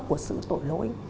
của sự tội lỗi